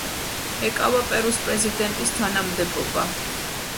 ეკავა პერუს პრეზიდენტის თანამდებობა.